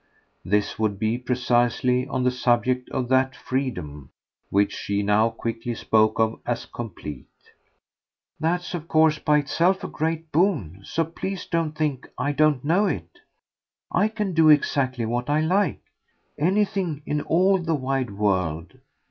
This would be, precisely, on the subject of that freedom, which she now quickly spoke of as complete. "That's of course by itself a great boon; so please don't think I don't know it. I can do exactly what I like anything in all the wide world.